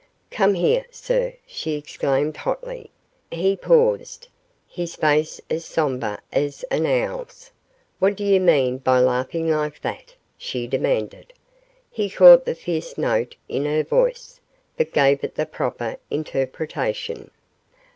"Come here, sir!" she exclaimed hotly. He paused, his face as sombre as an owl's. "What do you mean by laughing like that?" she demanded. He caught the fierce note in her voice, but gave it the proper interpretation.